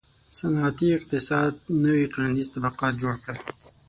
• صنعتي اقتصاد نوي ټولنیز طبقات جوړ کړل.